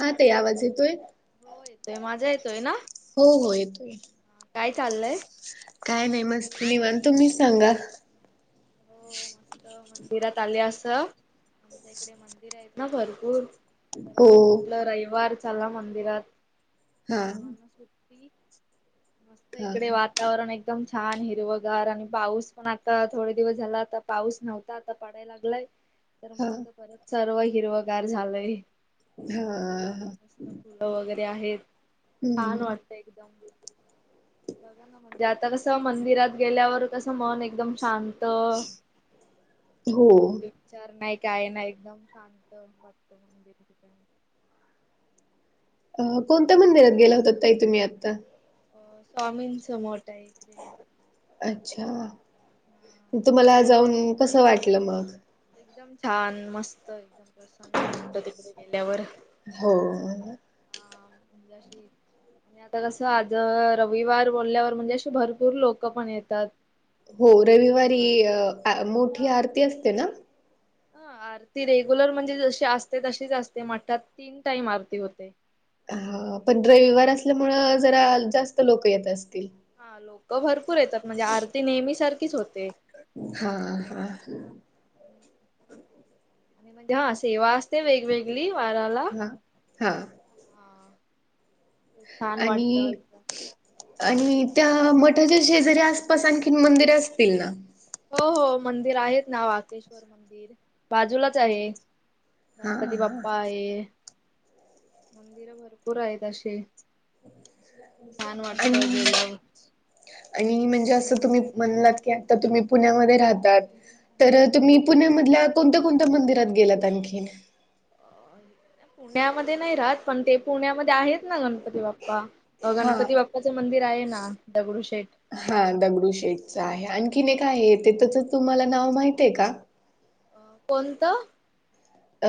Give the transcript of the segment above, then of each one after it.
हा ताई आवाज येतोय? हो येतोय. माझा येतोय ना, हो हो येतोय. काय चाललंय? काय नाही मस्त निवांत तुम्ही सांगा? हो मस्त मंदिरात आले असं, आमच्या इकडे मंदिर आहेत ना भरपूर. तर हो आज म्हटलं रविवार, चला मंदिरात, हा सर्वांना सु हा इकडे वा [unintelligible] वातावरण एकदम छान हिरवगार आणि पाऊस पण आता थोडे. दिवस झाला आता पाऊस नव्हता आता पाडायला लागलाय हा त हा सर्व हिरवगार झालंय. हा फुलं वगैरे आहेत छान हम्म वाटत. [unintelligible] म्हणजे आता कसं मंदिरात गेल्यावर कसं मन एकदम शांत. त हो [unintelligible] हम नाही काय नाही अ कोणत्या मंदिरात गेला होतता ताई तुम्ही आता. स्वामींच मठ हे अच्छा हा. म तुम्हाला जाऊन येऊन कसं वाटलं मग. छान मस्त [unintelligible] हो. [unintelligible] आणि आता कसं आज रविवार बोलल्यावर म्हणजे अशी भरपूर लोक पण येतात. हो गरज रविवारी पण असते. मोठी आरती असते ना. ह आरती रेग्युलर म्हणजे जशी असते तशीच असते मठात तीन टाइम आरती होते. हा पण रविवार हा असल्या मुळ जरा जास्त लोक येत असतील. हा लोक भरपूर येतात म्हणजे आरती नेहमी सारखीच होते. हा हा. [unintelligible] आणि म्हणजे हा सेवा असते वेगवेगळी वऱ्याला. हा हा छान आणि. वाटत एकदम आणि त्या मठाच्या शेजारी आसपास आणखीन मंदिरे असतील ना. हो हो मंदिर आहेत ना वाकेश्वर मंदिर बाजूलाच आहे. हा गणपती हा बाप्पा आहे मंदिर भरपूर आहेत अशीे छान वाटत आणि गेलाव आणि म्हणजे असं तुम्ही म्हणलात की आता तुम्ही पुण्यामध्ये राहतात तर तुम्ही पुण्यामधल्या कोणत्या कोणत्या मंदिरात गेलात आणखी पुण्यामध्ये नाही राहात पण ते पुण्यामध्ये आहेत ना गणपती बाप्पा अ हा गणपती बाप्पाचं मंदिर आहे ना दगडूशेठ हा दगडू शेठचा आहे आणखी एक काय आहे ते तसंच तुम्हाला नाव माहितय आहे का कोणता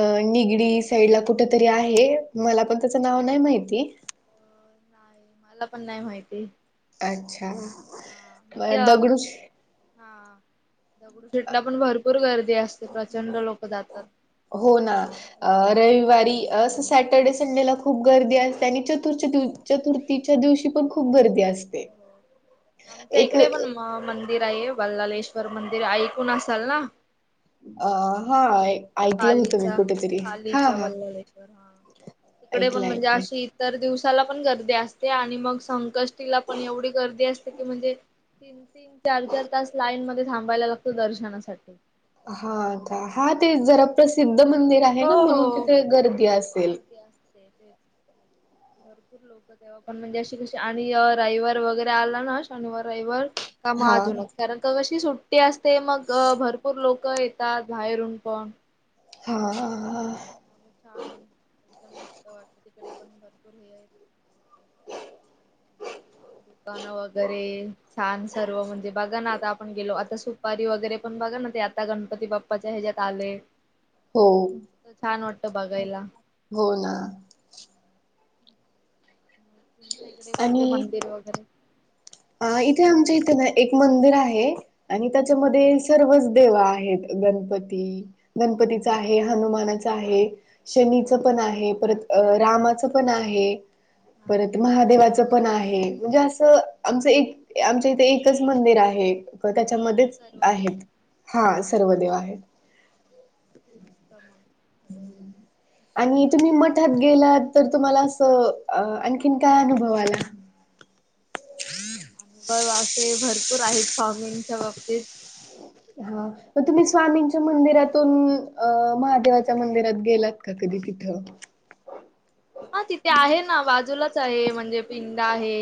अ निगडी साईड ला कुठ तरी आहे मला पण त्याचं नाव नाही माहिती नाही मला पण नाही माहिती अच्छा. हा मी दगडूशे हा दगडू शेटला पण भरपूर गर्दी असते प्रचंड लोक जातात हो ना अ रविवारी अस सॅटर्डे संडेला खूप गर्दी असते आणि चतुर्थ दिवस चतुर्थीच्या दिवशी पण खूप गर्दी असते हो आमच्या एक इकडे पण म मंदिर आहे वल्लालेश्वर मंदिर ऐकून असाल ना अ हा ऐकलं होतं मी पालीचा कुठेतरी हा पालीचा हा. वल्लालेश्वर हा इकडे पण ऐकलं म्हणजे ऐकलंय. अशी तर दिवसाला पण गर्दी असते आणि मग संकष्टीला पण एवढी गर्दी असते की म्हणजे तीन तीन चार चार तास लाईन मध्ये थांबायला लागतो दर्शनासाठी हाता हा ते जरा प्रसिद्ध मंदिर आहे हो ना म्हणून तिथे गर्दी असेल ते तेच [inaudible] भरपूर लोक तेव्हा पण म्हणजे अशी कशी आणि राविवार वगैरे आला ना शनिवार रविवार काम हा अजूनच, कारण कशी सुट्टी असते मग भरपूर लोक लोक येतात बाहेरून पण हा हा छान एकदम मस्त वाटत. तिकडे पण भरपूर हे आहेत. दुकानं वगैरे छान सर्व म्हणजे बघा ना आता आपण गेलो आता सु दुपारी वगैरे पण बघा ना, ते आता गणपती बाप्पाच्या ह्याच्यात आले हो मस्त छान वाटत बघायला. हो ना! तुमच्या इकडे कोणते मंदिर वगैरे हा इथे आमच्या इथे ना एक मंदिर आहे. आणि त्याच्यामध्ये सर्वच देव आहेत. गणपती गणपतीचा आहे, हनुमानाचा आहे. शनीचं पण आहे, परत अ रामाचं पण आहे. हा परत काय महादेवाच पण आहे. म्हणजे असं आमचं एक आमच्या इथे एकच मंदिर आहे. हा त्यात त्याच्यामध्येच सर्व देव आहेत. हा अच्छा सर्व देव आहेत. मस्त मग आता काय कुणाची तिथं गेल्यावर तर तुम्हाला अस आणखीन काय अनुभव आला. अजुन असे भरपूर आहेत फॉमिंगच्या बाबतीत हा मग तुम्ही स्वामींच्या मंदिरातून अ महादेवाच्या मंदिरात गेलात का कधी तिथं हा तिथे आहे ना, बाजूलाच आहे म्हणजे पिंड आहे.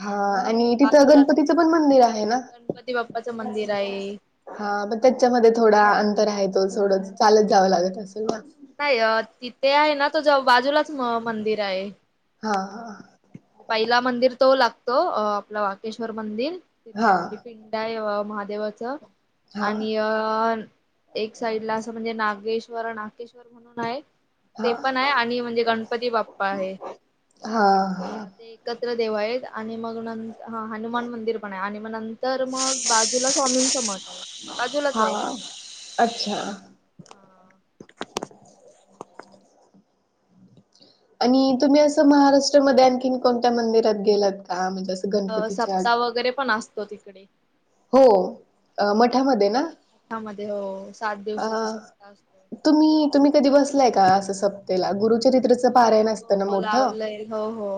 हा आणि तिथं बाजूलाच गणपतीचं पण मंदिर आहे ना गणपती बाप्पाचं मंदिर आहे हा पण त्याच्यामध्ये थोड अंतर आहे, तो थोडं चालत जावं लागत असेल ना. नाही, तिथे आहे ना तो जरा बाजूलाचं मंदिर आहे. हा पहिला मंदिर तो लागतो. आ आपला वाकेश्वर मंदिर तिथे हा आपली पिंड आहे महादेवाचं हा आणि अ एक साइड ला असं म्हणजे नागेश्वर, नाकेश्वर म्हणून आहे. ते हा पण आहे आणि म्हणजे गणपती बाप्पा आहे. हा. ते एकत्र देव आहेत आणि मग नंतर हा हनुमान मंदिर पण आहे, आणि मग नंतर मग बाजूला स्वामींचं मठ आहे. बाजूलाचं आहे. हा अच्छा आणि तुम्ही असं महाराष्ट्रा मध्ये आणखीन कोणत्या मंदिरात गेलात का? म्हणजे हा गणपतीच्या सप्ताह वगैरे पण असतो तिकडे हो हा मठामध्ये ना. मठामध्ये हो सात अ दिवसाचा सप्ताह असतो. तुम्ही, तुम्ही कधी बसलाय का असं सप्ताह ला गुरुचरित्र हो हो लावलंयल. हो हो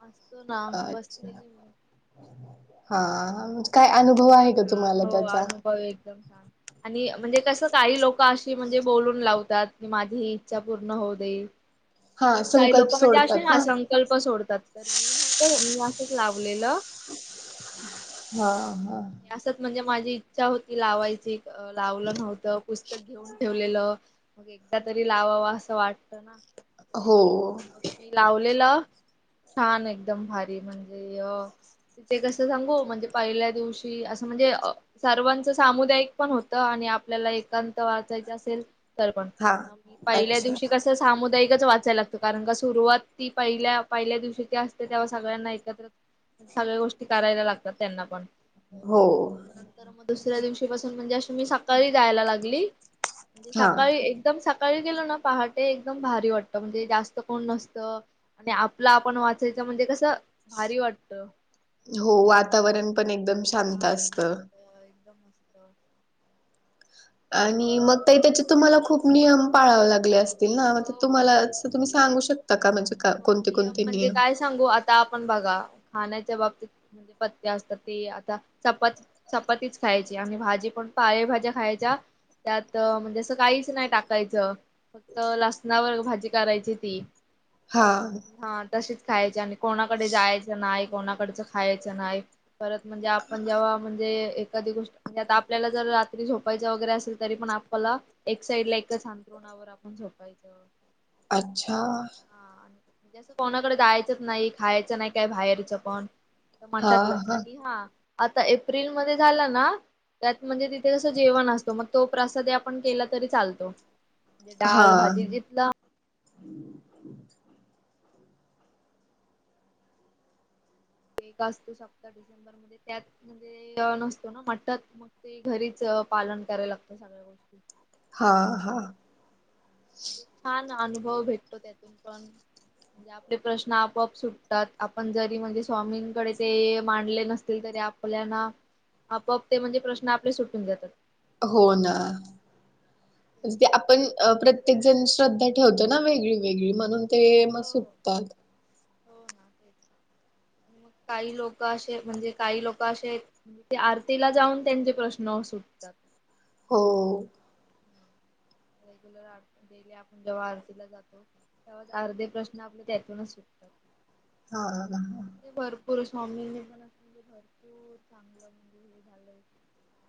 बसतो ना, अच्छा बसलेली मी हा. काय एकदम अनुभव म्हणजे आहे का छान तुम्हाला हो त्याचा अनुभव येतो. आणि म्हणजे कसं काही लोक अशी म्हणजे बोलून लावतात. माझी ही इच्छा पूर्ण होऊ दे. हा म्हणून काही संकल्प लोक म्हणजे असे सोडतात ना असत सकल्प सोडतात ते, तर मी नव्हत, मी असंच लावलेलं. हा. हा. असच म्हणजे माझी इच्छा होती लावायची म्हणून लावलं नव्हतं पुस्तकं घेऊन ठेवलेलं, मग एकदा तरी लावावा असं वाटतं ना! हो. मी लावलेलं छान एकदम भारी म्हणजे आ ते कसं सांगू म्हणजे पहिल्या दिवशी असं म्हणजे सर्वांचं सामुदायिक पण होत आणि आपल्याला एकांत वाचायचं असेल. तर पण हा म पहिल्या अच्छा दिवशी कसं सामुदायिकचं वाचायला लागतं. कारण का सुरुवात ती पहिल्या दिवशी ती असते. तेव्हा सगळ्यांना एकत्र. सगळ्या गोष्टी करायला लागतात. त्यांना पण. हो, नंतर मग दुसऱ्या दिवशी पासून म्हणजे अशी मी सकाळी जायला लागली. म्हजे हा सकाळी. एकदम सकाळी गेलो ना पहाटे एकदम भारी वाटतं म्हणजे जास्त. कोण नसतं आणि आपला आपनं वाचायचं म्हणजे कसं भारी वाटतं. हो वातावरण पण एकदम शांत हा असत. शांत [inaudible] भारी. आणि मंग ते त्याचे तुम्हाला खूप नियम पाळावे लागले असते. नावाचे हो हो तुम्हाला तुम्ही सांगू हो. शकता का म्हणजे हो कोणते कोणते म्हणजे नियम. काय सांगू आता आपण बघा खाण्याच्या बाबतीत म्हणजे पथ्य असतात ते आता चपातीत. चपातीच खायची आणि भाजी पण पालेभाज्या खायच्या त्यात म्हणजे असं काहीचं नाही टाकायचं. फक्त लसणावर भाजी करायची ती हा हा तशीच खायची आणि. कोणाकडे जायचं नाही. कोणाकडचं खायचं नाही. परत म्हणजे आपण जेव्हा म्हणजे एखादी गोष्ट. म्हणजे आता आपल्याला जर रात्री झोपायच वगैरे असेल तरी पण आपल्याला एक साइड ला एक अंथरूणावर. झोपायचं. अच्छा, जसं कोणाकडे जायचंच नाही खायचं नाही काय बाहेरचं पण. टमाटतलं आणि हा आता एप्रिल मध्ये झाला ना. त्यात म्हणजे तिथे कसं जेवण असतो मग तो प्रसाद आपण केला तरी चालतो. म्हणजे डाल हा भाजी घेतला. एक असतो सप्ता डिसेंबर मध्ये त्या. नसतो ना म्हटतात मग ते घरीच पालन करायला लागतं सगळ्या गोष्टी. हा हा छान अनुभव भेटतो त्यातून पण. आपले प्रश्न आपआप सुटतात आपण जरी म्हणजे स्वामींकडे ते मांडले नसतील तरी आप आपल्याना आपप ते म्हणजे प्रश्न आपले सुटून जेतात. हो ना. म्हण ते आपण प्रत्येक जण श्रद्धा ठेवतो ना वेगळी वेगळी म्हणून. ते मग हो हो सुटतात. हो ना तेच मग काही लोक असे म्हणजे काही लोक असे. ते आरतीला जाऊन त्यांचे प्रश्न सुटतात. हो. रेगलर [unintelligible] आपण जेव्हा आरतीला जातो तेव्हाच अर्धे प्रश्न आपले त्यातूनचं सुटतात. हो. म्हणजे भरपूर स्वामींनी पण अस म्हणजे भरपूर चांगलं. म्हणजे हे झालंय.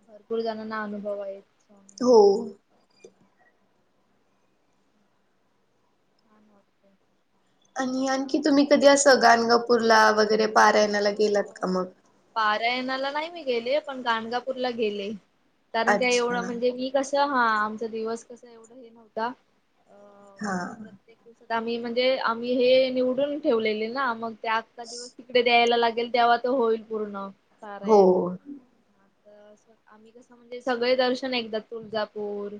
भरपूर जणांना अनुभव आहेत. हो. स्वामींचे. हा होओते. आणि आणखी तुम्ही कधी अस गाणगापूरला वगैरे पारायण्याला हो गेलात का हो. मग. पारायणाला नाही मी गेले पण गणगापूरला गेले. कारण का अच्छा एवढं म्हणजे मी कसं हा आमचा दिवस कसा एवढा हे नव्हता. अ हा म्हणजे प्रत्येक दिवसात आम्ही म्हणजे आम्ही हे निवडून ठेवलेले ना मग. ते आत्चा दिवस तिकडे द्यायला लागेल तेव्हा तर होईल पूर्ण हो सारायण. आम्ही कसं म्हणजे सगळे दर्शन एकदा तुळजापूर.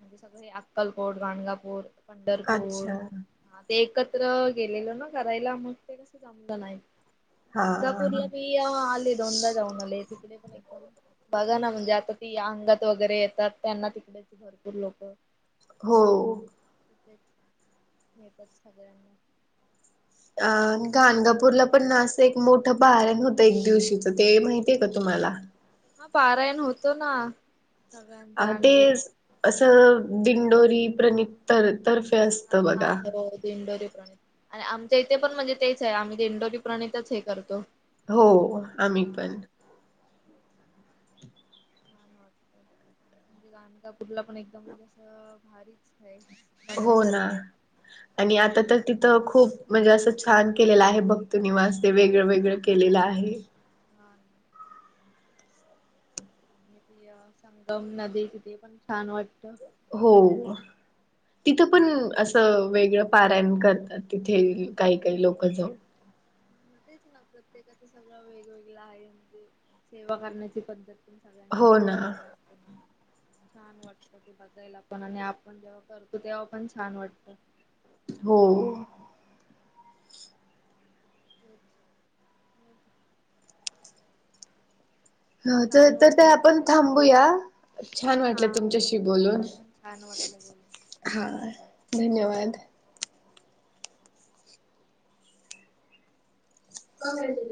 म्हणे सगळे अक्कलकोट गाणगापूर पंढरपूर. अच्छा हा ते एकत्र गेलेल ना करायला मग ते कस जमलं नाही. हा कांदापूरी हा. पि आले दोनदा जाऊन आले तिकडे पण. बघा ना म्हणजे आता ती अंगात वगैरे येतात त्यांना तिकडेची भरपूर लोक हो. खूपच [unintelligible] अ गानदापूरला पण ना असं एक मोठं पारायण होतं एक दिवशीच ते माहितीय आहे का तुम्हाला. हा पारायण होतो ना. सगळ्यांच अ आणि ते स असं दिंडोरी प्रणित तर तर्फे अस हा हा बरोबर दिंडोरी प्रणित. आणि आमच्या इथे पण म्हणजे तेच आहे आम्ही दिंडोरी प्रणितच हे करतो. हो हा आम्ही पण. तेच [unintelligible] [unintelligible] पण एकदम म्हणजे अस भारीच [unintelligible] हो ना. आहे आणि आता तर तिथं खूप म्हणजे असं छान केलेलं आहे भक्त निवासते वेगळं वेगळं केलेला आहे. हा. संगम नदी तिथे पण छान वाटत. हो. तिथं पण असं वेगळं पारायण करतात तिथे काही काही लोक जाऊन. [unintelligible] हो ना [unintelligible] छान वाटत ते बघायला पण आणि आपण जेव्हा करतो तेव्हा पण छान वाटत. हो. [unintelligible] हा तर छान तर ते वाटलं पण आपण थांबूया. छान हा वाटलं हा तुमच्याशी बोलून, मला पण छान वाटलं बोलून हा. चालेल बाय धन्यवाद. [unintelligible]